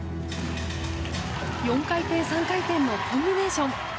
４回転、３回転のコンビネーション！